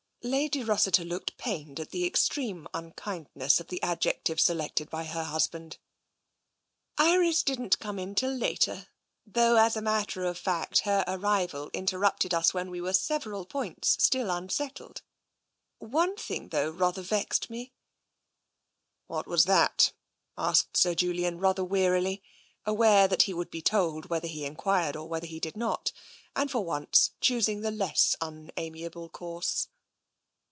" Lady Rossiter looked pained at the extreme unkind ness of the adjective selected by her husband. " Iris didn't come in till later, though, as a matter of fact, her arrival interrupted us when there were sev eral points still unsettled. One thing, though, rather vexed me." " What was that? " asked Sir Julian, rather wearily, aware that he would be told whether he enquired or whether he did not, and for once choosing the less un amiable course.